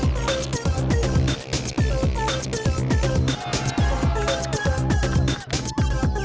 kayaknya raya nggak ada di sini deh